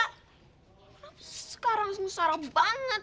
kenapa sekarang sengsara banget